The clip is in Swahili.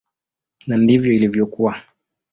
Na ndivyo ilivyokuwa.